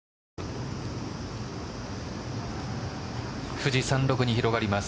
富士山麓に広がります